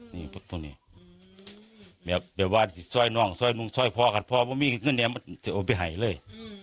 ไม่ว่าซวยน่องซวยนุ่งซวยพอไม่มีก็จะเอาไปไหลเลย